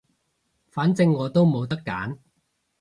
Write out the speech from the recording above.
反正我都冇得揀